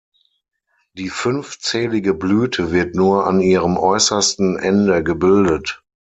Die fünfzählige Blüte wird nur an ihrem äußersten Ende gebildet.